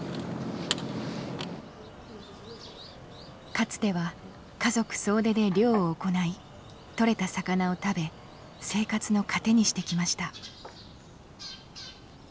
かつては家族総出で漁を行いとれた魚を食べ生活の糧にしてきました。